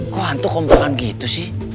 kok hantu kompangkan gitu sih